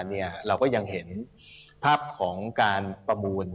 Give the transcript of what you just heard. เราก็ยังเห็นภาพของการประมูล